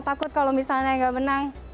takut kalau misalnya nggak menang